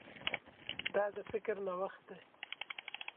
دا د فکر نوښت دی.